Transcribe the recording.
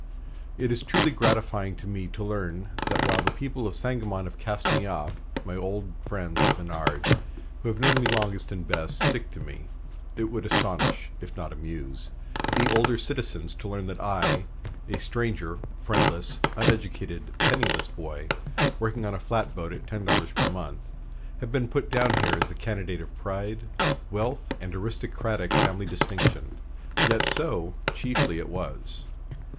"It is truly gratifying to me to learn that while the people of Sangamon have cast me off, my old friends of Menard, who have known me longest and best, stick to me. It would astonish, if not amuse, the older citizens to learn that I (a stranger, friendless, uneducated, penniless boy, working on a flatboat at ten dollars per month) have been put down here as the candidate of pride, wealth, and aristocratic family distinction. Yet so, chiefly, it was.